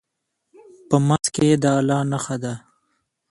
په منځ کې یې د الله نښه ده.